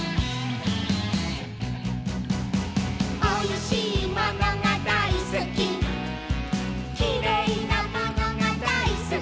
「おいしいものがだいすき」「きれいなものがだいすき」